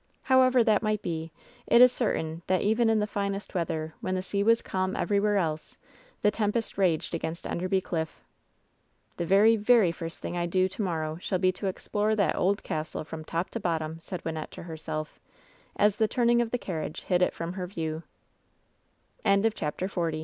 However that might be, it is certain that even in the finest weather, when the sea was calm everywhere else, the tempest raged against Enderby Cliff. "The very, very first thing that I do to morrow shall be to explore that old castle from top to bottom," said Wynnette to herself, as the turning of the carriage hid it f